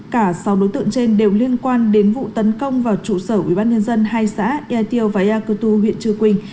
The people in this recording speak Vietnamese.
cả sáu đối tượng trên đều liên quan đến vụ tấn công vào trụ sở ubnd hai xã yà tiêu và yai cơ tu huyện chư quỳnh